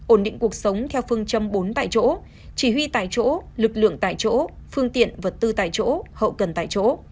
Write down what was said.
ổn định cuộc sống theo phương châm bốn tại chỗ chỉ huy tại chỗ lực lượng tại chỗ phương tiện vật tư tại chỗ hậu cần tại chỗ